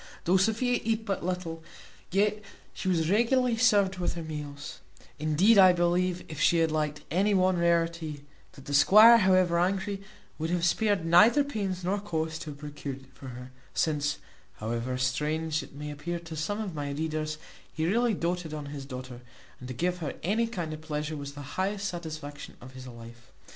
Though Sophia eat but little, yet she was regularly served with her meals; indeed, I believe, if she had liked any one rarity, that the squire, however angry, would have spared neither pains nor cost to have procured it for her; since, however strange it may appear to some of my readers, he really doated on his daughter, and to give her any kind of pleasure was the highest satisfaction of his life.